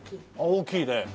大きいね。